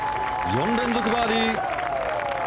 ４連続バーディー。